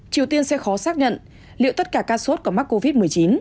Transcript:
triều tiên sẽ khó xác nhận liệu tất cả ca sốt có mắc covid một mươi chín